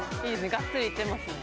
がっつりいってます・